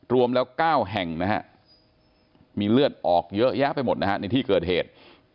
รวมแล้ว๙แห่งนะฮะมีเลือดออกเยอะแยะไปหมดนะฮะในที่เกิดเหตุ